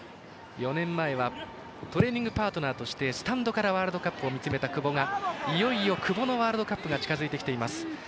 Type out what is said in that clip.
４年前はトレーニングパートナーとしてスタンドからワールドカップを見つめた久保がいよいよ久保のワールドカップが近づいてきています。